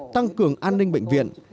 tăng cường an ninh bệnh viện